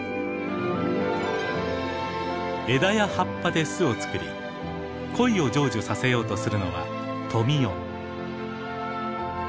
枝や葉っぱで巣を作り恋を成就させようとするのはトミヨ。